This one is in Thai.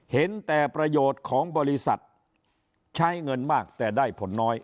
เห็นแต่ประโยชน์ของบริษัทใช้เงินมากแต่ได้ผลน้อย